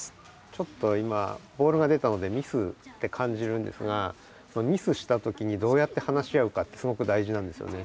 ちょっと今ボールが出たのでミスって感じるんですがミスした時にどうやって話し合うかってすごく大事なんですよね。